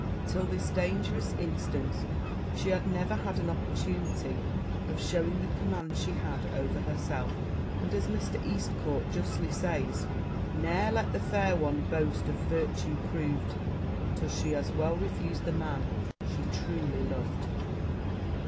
Till this dangerous instance, she had never had an opportunity of shewing the command she had over herself; and, as Mr. Eastcourt justly says 'Ne'er let the fair one boast of virtue prov'd, Till she has well refus'd the man she truly lov'd.'